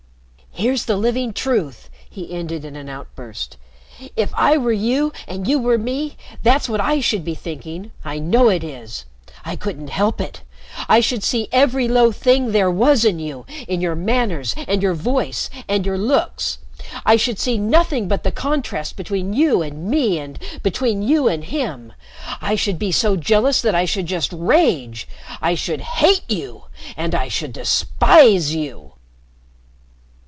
Here's the living truth," he ended in an outburst; "if I were you and you were me, that's what I should be thinking. I know it is. I couldn't help it. I should see every low thing there was in you, in your manners and your voice and your looks. I should see nothing but the contrast between you and me and between you and him. I should be so jealous that I should just rage. I should hate you and I should despise you!"